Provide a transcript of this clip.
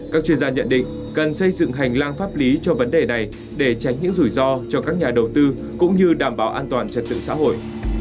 các chuyên gia nhận định cần xây dựng hành lang pháp lý cho vấn đề này để tránh những rủi ro cho các nhà đầu tư cũng như đảm bảo an toàn trật tự xã hội